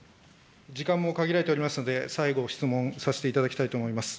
時間も限られておりますので、最後、質問させていただきたいと思います。